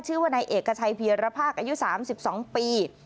ชื่อว่านายเอกชัยเพียรภาคอายุ๓๒ปี